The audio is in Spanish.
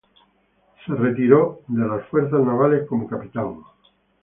Se retiró de las Fuerzas Navales como Capitán.